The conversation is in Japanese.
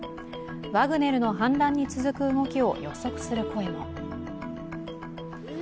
ワグネルの反乱に続く動きを予測する声も。